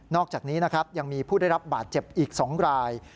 อกจากนี้นะครับยังมีผู้ได้รับบาดเจ็บอีก๒ราย